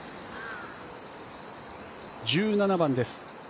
１７番です。